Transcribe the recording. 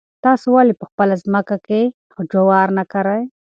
تاسو ولې په خپله ځمکه کې جوار نه کرئ؟